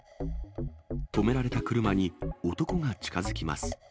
止められた車に男が近づきます。